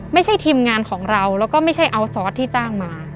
ทีมงานของเราแล้วก็ไม่ใช่เอาซอสที่จ้างมา